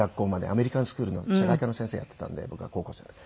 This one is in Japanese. アメリカンスクールの社会科の先生やっていたんで僕が高校生の時。